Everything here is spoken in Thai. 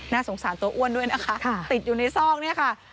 สงสารตัวอ้วนด้วยนะคะติดอยู่ในซอกเนี่ยค่ะ